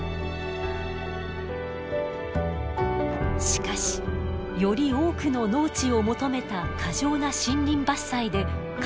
しかしより多くの農地を求めた過剰な森林伐採で環境が悪化。